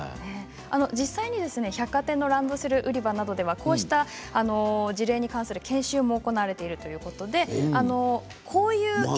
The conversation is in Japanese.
実際に百貨店のランドセル売り場などではこうした事例に関する研修も行われているということで。